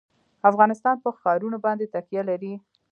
افغانستان په ښارونه باندې تکیه لري.